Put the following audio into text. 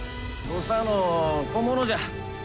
土佐の小物じゃ。